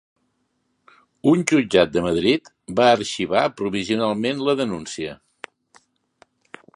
Un jutjat de Madrid va arxivar provisionalment la denúncia.